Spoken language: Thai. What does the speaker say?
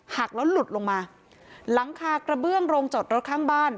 หักแล้วหลุดลงมาหลังคากระเบื้องโรงจอดรถข้างบ้าน